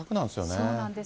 そうなんです。